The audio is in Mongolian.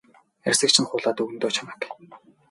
Арьсыг чинь хуулаад өгнө дөө чамайг.